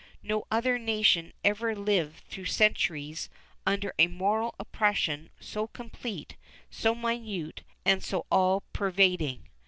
No other nation ever lived through centuries under a moral oppression so complete, so minute and so all pervading.